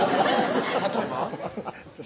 例えば？